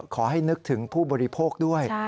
ขอให้นึกถึงผู้บริโภคด้วย